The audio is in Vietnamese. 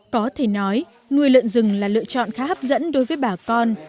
có thể nói nuôi lợn rừng là lựa chọn khá hấp dẫn đối với bà con